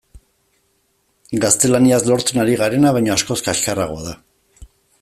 Gaztelaniaz lortzen ari garena baino askoz kaxkarragoa da.